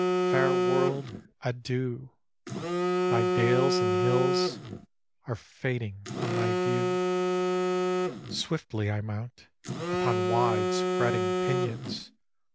Fair world, adieu ! Thy dales, and hills, are fading from my view : Swiftly I mount, upon wide spreading pinions.